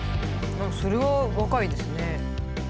それは若いですね。